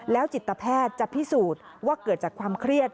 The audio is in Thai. จิตแพทย์จะพิสูจน์ว่าเกิดจากความเครียด